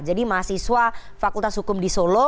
jadi mahasiswa fakultas hukum di solo